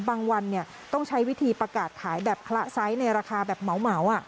บางวันเนี่ยต้องใช้วิธีประกาศขายแบบคละไซส์ในราคาแบบเหมาะอ่ะ